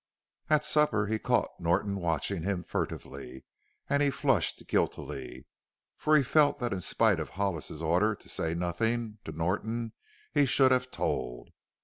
At supper he caught Norton watching him furtively and he flushed guiltily, for he felt that in spite of Hollis's order to say nothing to Norton he should have told.